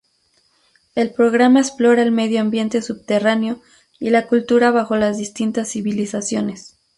El programa explora el medio ambiente subterráneo y la cultura bajo las distintas civilizaciones.